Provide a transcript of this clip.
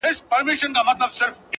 ما د حیاء پردو کي پټي غوښتې!!